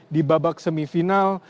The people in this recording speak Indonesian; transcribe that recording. di babak semifinal